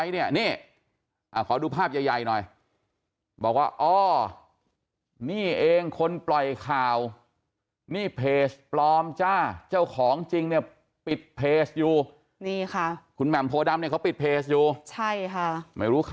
เนี่ยเองคนปล่อยข่าวนี่เพจปลอมจ้าเจ้าของจริงเนี่ยปิดเพจอยู่